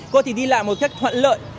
có thể đi lại một cách thoạn lợi